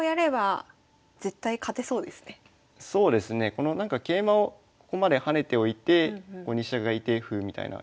この桂馬をここまで跳ねておいてここに飛車がいて歩みたいな。